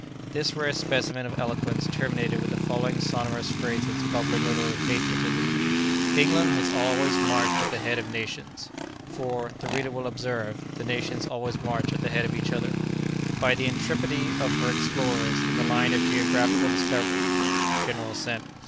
This rare specimen of eloquence terminated with the following sonorous phrases bubbling over with patriotism: "England has always marched at the head of nations" (for, the reader will observe, the nations always march at the head of each other), "by the intrepidity of her explorers in the line of geographical discovery." (General assent).